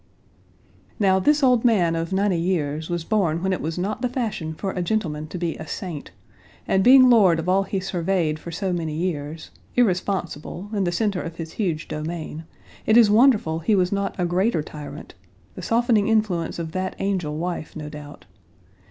Now this old man of ninety years was born when it was not the fashion for a gentleman to be a saint, and being lord of all he surveyed for so many years, irresponsible, in the center of his huge domain, it is wonderful he was not a greater tyrant the softening influence of that angel wife, no doubt.